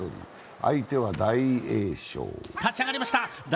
相手は大栄翔。